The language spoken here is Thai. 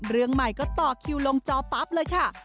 เรื่องใหม่ก็ต่อคิวลงจอปั๊บเลยค่ะ